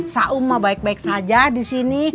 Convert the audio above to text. saum mah baik baik saja di sini